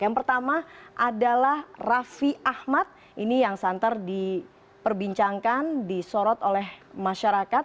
yang pertama adalah raffi ahmad ini yang santer diperbincangkan disorot oleh masyarakat